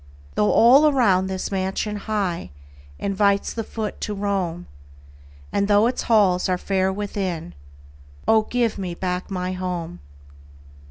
Though all around this mansion high Invites the foot to roam, And though its halls are fair within Oh, give me back my HOME!